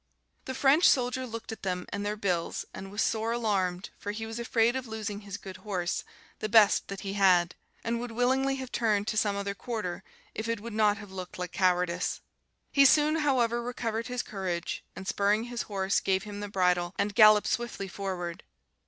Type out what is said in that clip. The French soldier looked at them and their bills, and was sore alarmed, for he was afraid of losing his good horse, the best that he had; and would willingly have turned to some other quarter, if it would not have looked like cowardice. He soon, however, recovered his courage, and spurring his horse gave him the bridle, and galloped swiftly forward.